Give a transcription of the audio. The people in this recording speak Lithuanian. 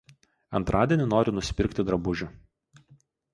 Antradienį noriu nusipirkti drabužių.